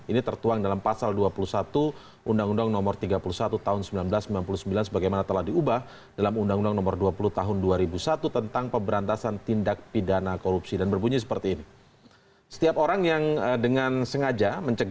ini pasal dua puluh satu ya tentang obstruction of justice